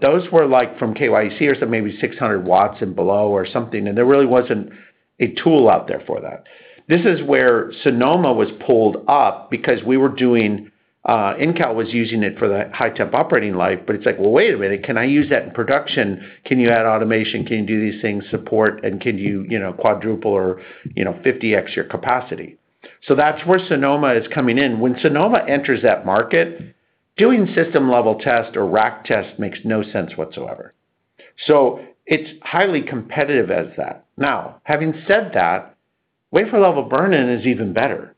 Those were from KYEC or something, maybe 600 watts and below or something, and there really wasn't a tool out there for that. This is where Sonoma was pulled up because we were doing. Intel was using it for the high temp operating life, but it's like, "Well, wait a minute. Can I use that in production? Can you add automation? Can you do these things support? And can you quadruple or 50x your capacity?" So that's where Sonoma is coming in. When Sonoma enters that market, doing system level test or rack test makes no sense whatsoever. So it's highly competitive as that. Now, having said that, wafer level burn-in is even better.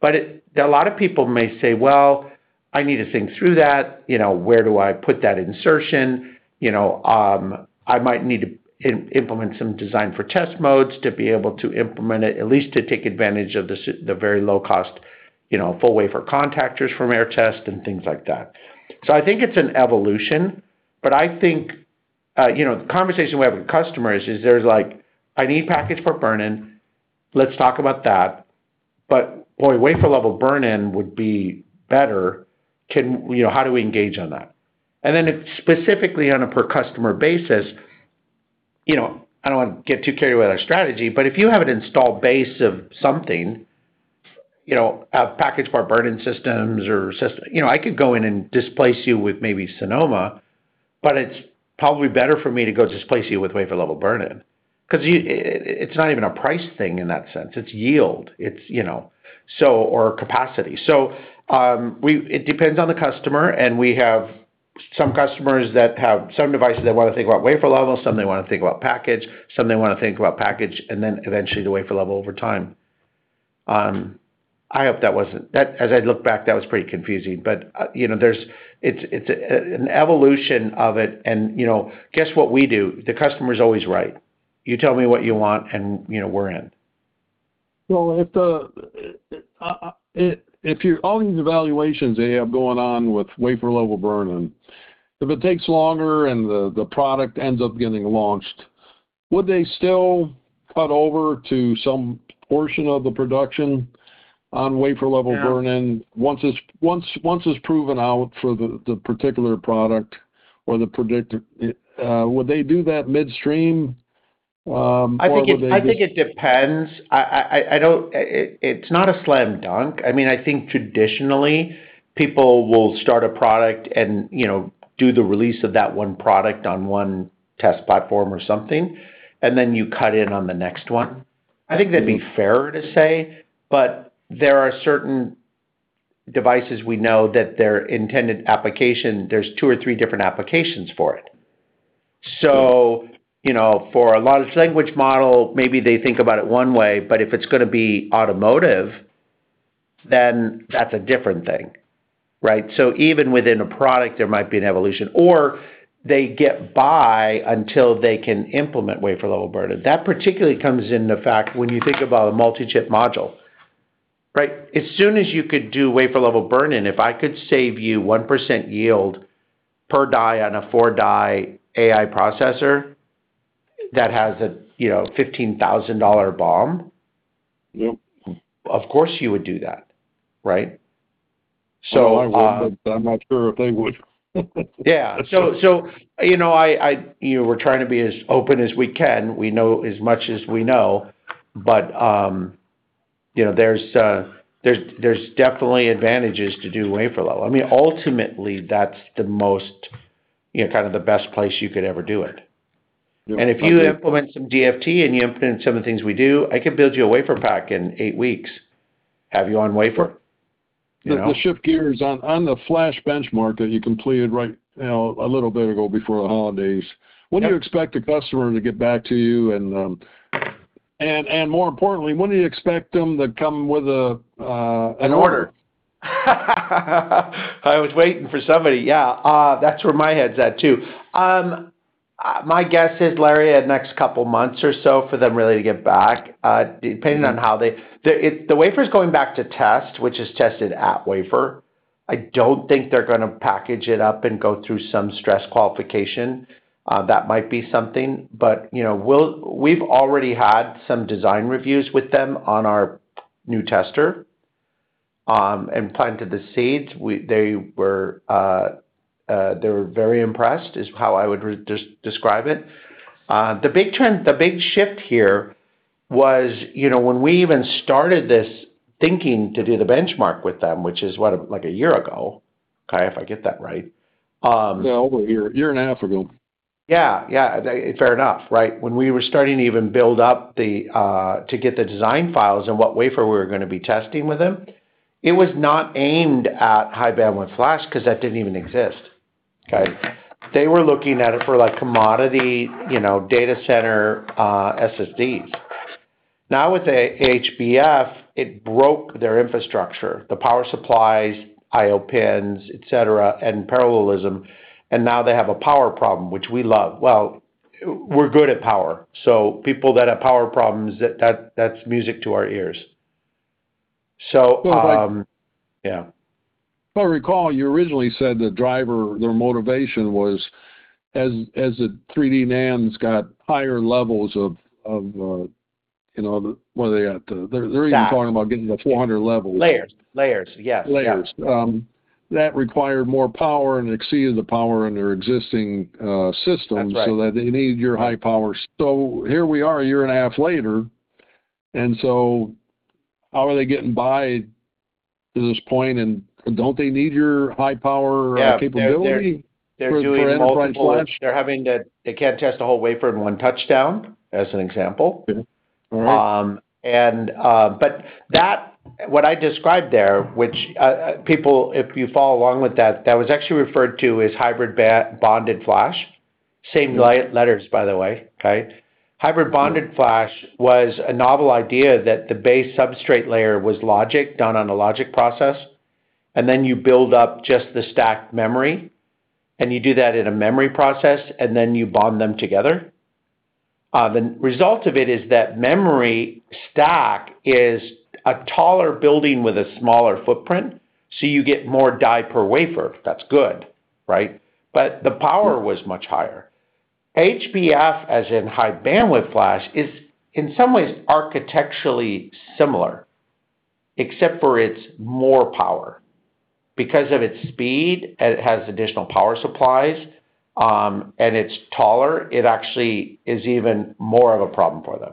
But a lot of people may say, "Well, I need to think through that. Where do I put that insertion? I might need to implement some design-for-test modes to be able to implement it, at least to take advantage of the very low-cost full wafer contactors from Aehr Test and things like that." So I think it's an evolution, but I think the conversation we have with customers is there's like, "I need packaged part burn-in. Let's talk about that." But boy, wafer-level burn-in would be better. How do we engage on that? And then specifically on a per customer basis, I don't want to get too carried away with our strategy, but if you have an installed base of something, packaged part burn-in systems or I could go in and displace you with maybe Sonoma, but it's probably better for me to go displace you with wafer-level burn-in because it's not even a price thing in that sense. It's yield or capacity. So it depends on the customer, and we have some customers that have some devices they want to think about wafer level, some they want to think about package, and then eventually the wafer level over time. I hope that wasn't. As I look back, that was pretty confusing, but it's an evolution of it. And guess what we do? The customer's always right. You tell me what you want, and we're in. Well, if all these evaluations they have going on with wafer level burn-in, if it takes longer and the product ends up getting launched, would they still cut over to some portion of the production on wafer level burn-in once it's proven out for the particular product or the predicted? Would they do that midstream? I think it depends. It's not a slam dunk. I mean, I think traditionally, people will start a product and do the release of that one product on one test platform or something, and then you cut in on the next one. I think that'd be fair to say, but there are certain devices we know that their intended application, there's two or three different applications for it. So for a large language model, maybe they think about it one way, but if it's going to be automotive, then that's a different thing, right? So even within a product, there might be an evolution, or they get by until they can implement wafer level burn-in. That particularly comes into fact when you think about a multi-chip module, right? As soon as you could do wafer level burn-in, if I could save you 1% yield per die on a four-die AI processor that has a $15,000 BOM, of course you would do that, right? So I'm not sure if they would. Yeah. So we're trying to be as open as we can. We know as much as we know, but there's definitely advantages to do wafer level. I mean, ultimately, that's the most kind of the best place you could ever do it. And if you implement some DFT and you implement some of the things we do, I could build you a WaferPak in eight weeks, have you on wafer. Let's shift gears on the flash benchmark that you completed right a little bit ago before the holidays. When do you expect the customer to get back to you? And more importantly, when do you expect them to come with an order? I was waiting for somebody. Yeah. That's where my head's at too. My guess is, Larry, a next couple of months or so for them really to get back, depending on how they the wafer's going back to test, which is tested at wafer. I don't think they're going to package it up and go through some stress qualification. That might be something. But we've already had some design reviews with them on our new tester and planted the seeds. They were very impressed is how I would describe it. The big shift here was when we even started this thinking to do the benchmark with them, which is like a year ago, okay, if I get that right. Yeah. Over a year, a year and a half ago. Yeah. Yeah. Fair enough, right? When we were starting to even build up to get the design files and what wafer we were going to be testing with them, it was not aimed at high bandwidth flash because that didn't even exist, okay? They were looking at it for commodity data center SSDs. Now, with HBF, it broke their infrastructure, the power supplies, I/O pins, etc., and parallelism. And now they have a power problem, which we love. Well, we're good at power. So people that have power problems, that's music to our ears. So yeah. Well, I recall you originally said the driver, their motivation was as the 3D NANDs got higher levels of what are they at? They're even talking about getting to 400 levels. Layers. Layers. Yes. Layers. That required more power and exceeded the power in their existing systems so that they need your high power. So here we are a year and a half later. And so how are they getting by to this point? And don't they need your high power capability for endpoint flash? They're having to they can't test a whole wafer in one touchdown, as an example. And but that what I described there, which people, if you follow along with that, that was actually referred to as hybrid bonded flash. Same letters, by the way, okay? Hybrid bonded flash was a novel idea that the base substrate layer was logic done on a logic process. And then you build up just the stacked memory, and you do that in a memory process, and then you bond them together. The result of it is that memory stack is a taller building with a smaller footprint, so you get more die per wafer. That's good, right? But the power was much higher. HBF, as in high bandwidth flash, is in some ways architecturally similar, except for it's more power. Because of its speed, it has additional power supplies, and it's taller, it actually is even more of a problem for them.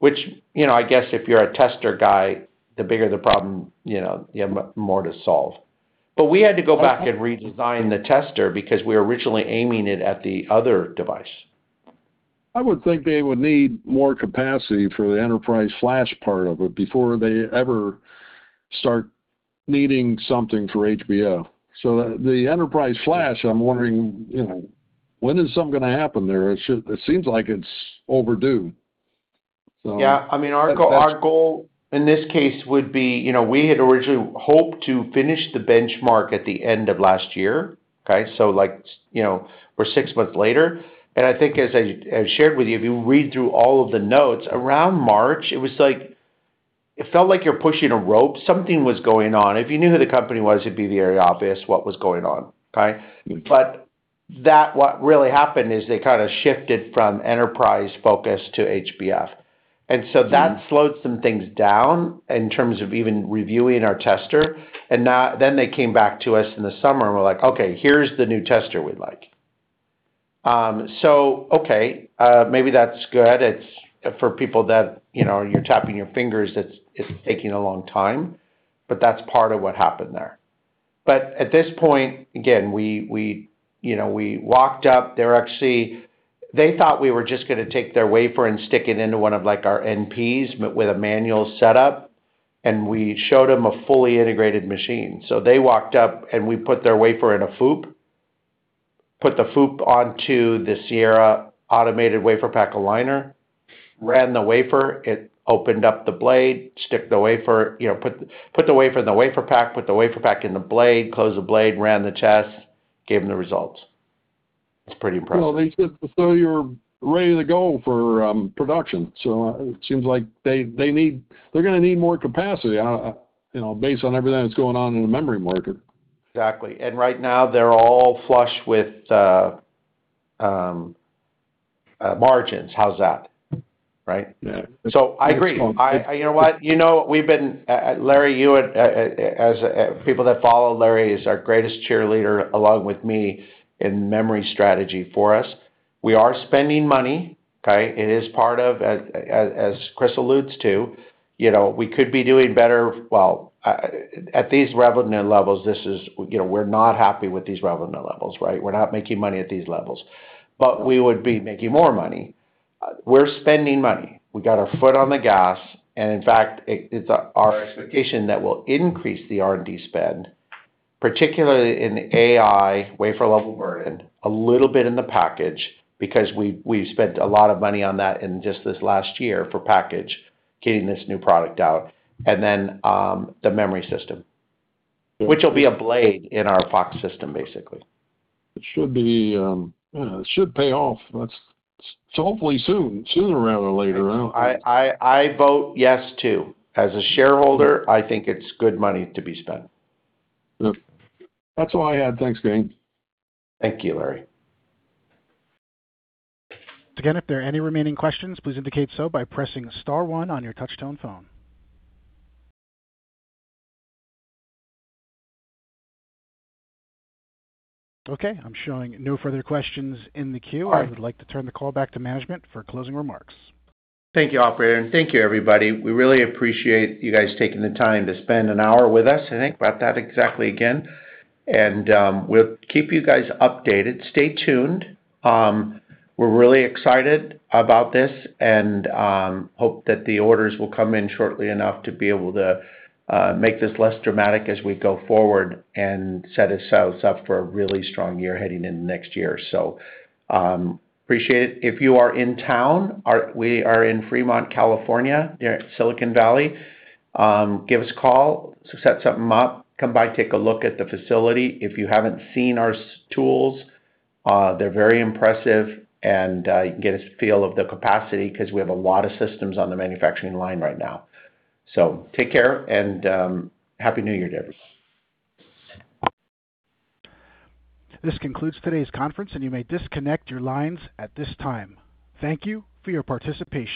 Which I guess if you're a tester guy, the bigger the problem, you have more to solve. But we had to go back and redesign the tester because we were originally aiming it at the other device. I would think they would need more capacity for the enterprise flash part of it before they ever start needing something for HBF. So the enterprise flash, I'm wondering when is something going to happen there? It seems like it's overdue, so. Yeah. I mean, our goal in this case would be we had originally hoped to finish the benchmark at the end of last year, okay? So we're six months later. I think, as I shared with you, if you read through all of the notes, around March, it felt like you're pushing a rope. Something was going on. If you knew who the company was, it'd be very obvious what was going on, okay? But what really happened is they kind of shifted from enterprise focus to HBF. And so that slowed some things down in terms of even reviewing our tester. And then they came back to us in the summer and were like, "Okay, here's the new tester we'd like." So okay, maybe that's good. For people that you're tapping your fingers, it's taking a long time, but that's part of what happened there. But at this point, again, we walked up. They thought we were just going to take their wafer and stick it into one of our NPs with a manual setup, and we showed them a fully integrated machine. So they walked up, and we put their wafer in a FOUP, put the FOUP onto the Sierra automated WaferPak aligner, ran the wafer. It opened up the blade, stick the wafer, put the wafer in the WaferPak, put the WaferPak in the blade, close the blade, ran the test, gave them the results. It's pretty impressive. They said, "Well, so you're ready to go for production." So it seems like they're going to need more capacity based on everything that's going on in the memory market. Exactly. And right now, they're all flush with margins. How's that? Right? So I agree. You know what? Larry, you would, as people that follow Larry is our greatest cheerleader along with me in memory strategy for us. We are spending money, okay? It is part of, as Chris alludes to, we could be doing better. Well, at these revenue levels, we're not happy with these revenue levels, right? We're not making money at these levels. But we would be making more money. We're spending money. We got our foot on the gas. And in fact, it's our expectation that we'll increase the R&D spend, particularly in the AI wafer-level burn-in, a little bit in the package because we've spent a lot of money on that in just this last year for package, getting this new product out. And then the memory system, which will be a blade in our FOX system, basically. It should pay off. It's hopefully soon, sooner rather than later. I vote yes too. As a shareholder, I think it's good money to be spent. That's all I had. Thanks, Gayn. Thank you, Larry. Again, if there are any remaining questions, please indicate so by pressing star one on your touch-tone phone. Okay. I'm showing no further questions in the queue. I would like to turn the call back to management for closing remarks. Thank you, Operator. And thank you, everybody. We really appreciate you guys taking the time to spend an hour with us. I think about that exactly again. And we'll keep you guys updated. Stay tuned. We're really excited about this and hope that the orders will come in shortly enough to be able to make this less dramatic as we go forward and set ourselves up for a really strong year heading into next year. So appreciate it. If you are in town, we are in Fremont, California, Silicon Valley. Give us a call, set something up, come by, take a look at the facility. If you haven't seen our tools, they're very impressive, and you can get a feel of the capacity because we have a lot of systems on the manufacturing line right now. So take care and happy New Year to everyone. This concludes today's conference, and you may disconnect your lines at this time. Thank you for your participation.